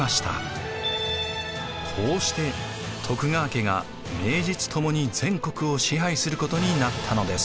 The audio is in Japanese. こうして徳川家が名実ともに全国を支配することになったのです。